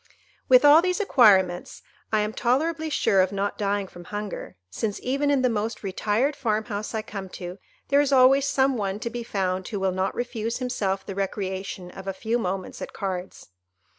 "With all these acquirements, I am tolerably sure of not dying from hunger, since, even in the most retired farm house I come to, there is always some one to be found who will not refuse himself the recreation of a few moments at cards.